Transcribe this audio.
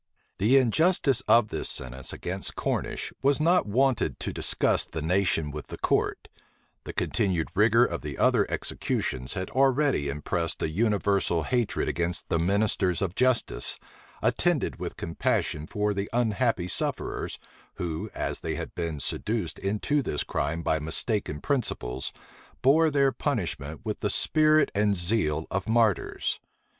The injustice of this sentence against Cornish was not wanted to disgust the nation with the court: the continued rigor of the other executions had already impressed a universal hatred against the ministers of justice, attended with compassion for the unhappy sufferers, who, as they had been seduced into this crime by mistaken principles, bore their punishment with the spirit and zeal of martyrs.